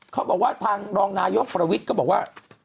เขาบอกว่าทางรองนายกประวิทย์ก็บอกว่า